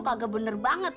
kagak bener banget